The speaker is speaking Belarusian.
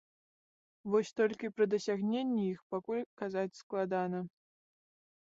Вось толькі пра дасягненні іх пакуль казаць складана.